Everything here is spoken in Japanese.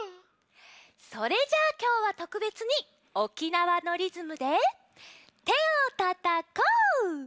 それじゃあきょうはとくべつに沖縄のリズムで「てをたたこ」。